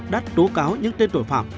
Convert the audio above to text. đã tố cáo những tên tội phạm